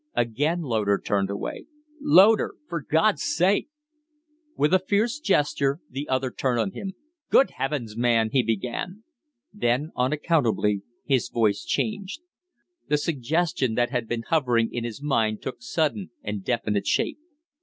Again Loder turned away. "Loder for God's sake " With a fierce gesture the other turned on him. "Good heavens! man " he began. Then unaccountably his voice changed. The suggestion that had been hovering in his mind took sudden and definite shape.